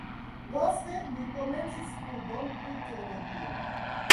Poste li komencis studon pri teologio.